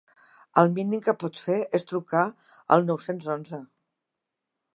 El mínim que pots fer és trucar al nou-cents once.